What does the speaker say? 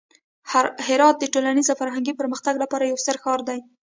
هرات د ټولنیز او فرهنګي پرمختګ لپاره یو ستر ښار دی.